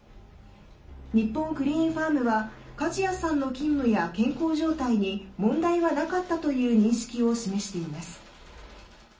日本クリーンファームは梶谷さんの勤務や健康状態に問題はなかったという認識を示しています。